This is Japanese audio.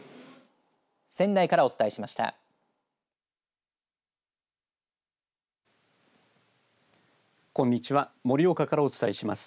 仙台からお伝えしました。